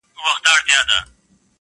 د چا به کار و چا به هسې غږ کاونه